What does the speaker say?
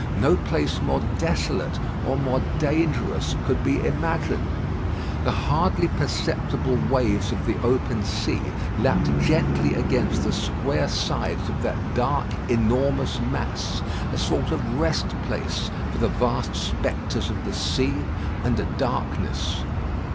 No place more desolate or more dangerous could be imagined. The hardly perceptible waves of the open sea lapped gently against the square sides of that dark enormous mass; a sort of rest place for the vast spectres of the sea and darkness.